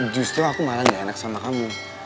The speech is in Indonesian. justru aku malah gak enak sama kamu